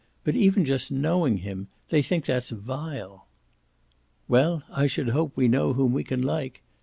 But even just knowing him they think that's vile." "Well, I should hope we can know whom we like!"